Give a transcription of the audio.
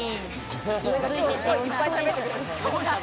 色づいてて、おいしそうです。